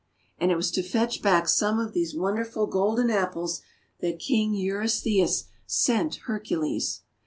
And it was to fetch back some of these won derful Golden Apples that King Eurystheus sent Hercules.